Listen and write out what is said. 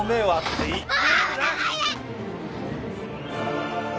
はい。